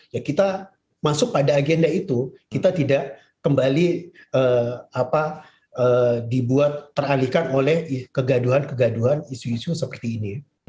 karena masuk pada agenda itu kita tidak kembali dibuat teralihkan oleh kegaduhan kegaduhan isu isu seperti ini